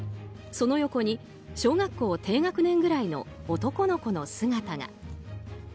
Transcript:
その横に、小学校低学年くらいの男の子の姿が。